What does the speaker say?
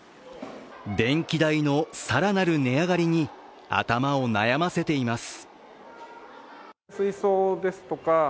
電気代の更なる値上がりに頭を悩ませています。